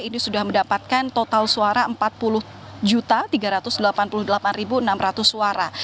ini sudah mendapatkan total suara empat puluh tiga ratus delapan puluh delapan enam ratus suara